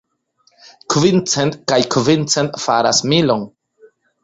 Kvin cent kaj kvin cent faras milon.